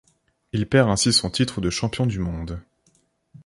Il perd ainsi son titre de champion du monde.